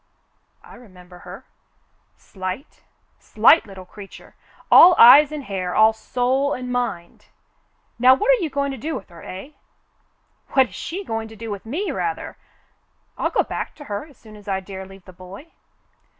"I remember her, — slight — slight little creature, all eyes and hair, all soul and mind. Now what are you going to do with her, eh.^^" " AVhat is she going to do with me, rather ! I'll go back to her as soon as I dare leave the boy."